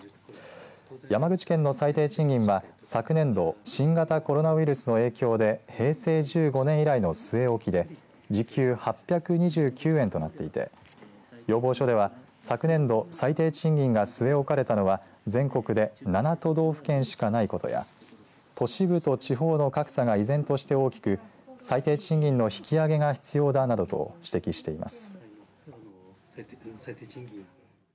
山口県の最低賃金は昨年度新型コロナウイルスの影響で平成１５年以来の据え置きで時給８９２円となっていて要望書では昨年度最低賃金が据え置かれたのは全国で７都道府県しかないことや都市部と地方の格差が依然として大きく最低賃金の引き上げが必要だなどと指摘しています。